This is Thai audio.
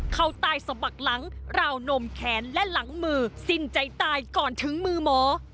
เข้าใต้สะบักหลังราวนมแขนและหลังมือสิ้นใจตายก่อนถึงมือหมอ